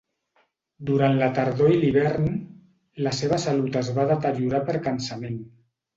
Durant la tardor i l'hivern, la seva salut es va deteriorar per cansament.